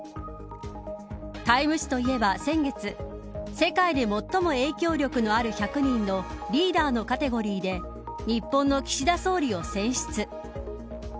タイム誌といえば先月世界で最も影響力のある１００人のリーダーのカテゴリーで日本の岸田総理を選出。